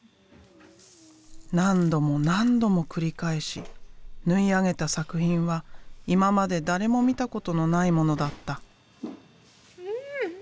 何度も何度も繰り返し縫い上げた作品は今まで誰も見たことのないものだった。